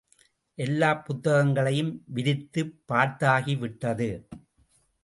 எல்லாப் புத்தகங்களையும் விரித்துப் பார்த்தாகி விட்டது.